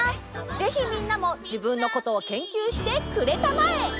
ぜひみんなも自分のことを研究してくれたまえ！